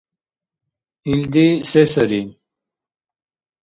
— Илди се сари?